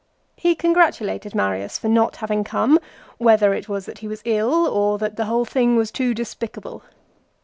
. He congratulated Marius for not having come, whether it was that he was ill, or that the whole thing was too despicable.